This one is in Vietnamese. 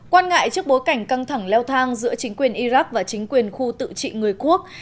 quan ngại trước bối cảnh căng thẳng leo thang giữa chính quyền iraq và chính quyền khu tự trị người quốc